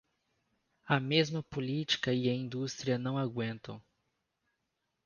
A mesma política e a indústria não aguentam.